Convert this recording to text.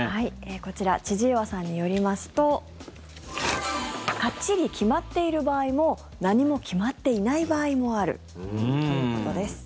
こちら千々岩さんによりますとかっちり決まっている場合も何も決まっていない場合もあるということです。